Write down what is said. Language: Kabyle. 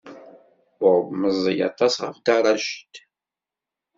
Bob meẓẓiy aṭas ɣef Dda Racid.